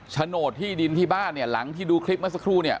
โฉนดที่ดินที่บ้านเนี่ยหลังที่ดูคลิปเมื่อสักครู่เนี่ย